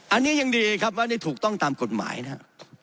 อันนี้ยังดีครับว่าได้ถูกต้องตามกฎหมายนะครับ